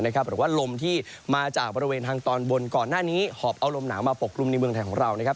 หรือว่าลมที่มาจากบริเวณทางตอนบนก่อนหน้านี้หอบเอาลมหนาวมาปกกลุ่มในเมืองไทยของเรานะครับ